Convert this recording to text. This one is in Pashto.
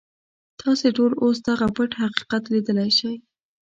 تاسې ټول اوس دغه پټ حقیقت ليدلی شئ.